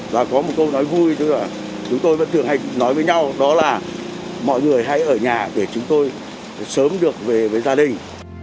và có một câu nói vui tức là chúng tôi vẫn thường hay nói với nhau đó là mọi người hay ở nhà để chúng tôi sớm được về với gia đình